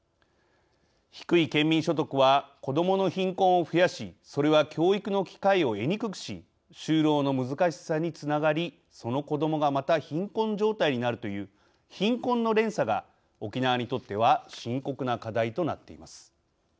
低い県民所得は子どもの貧困を増やしそれは教育の機会を得にくくし就労の難しさにつながりその子どもがまた貧困状態になるという貧困の連鎖が沖縄にとっては深刻な課題となっています。